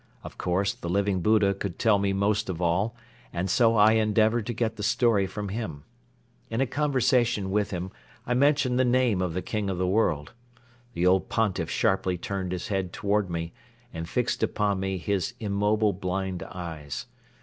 Of course, the Living Buddha could tell me most of all and so I endeavored to get the story from him. In a conversation with him I mentioned the name of the King of the World. The old Pontiff sharply turned his head toward me and fixed upon me his immobile, blind eyes.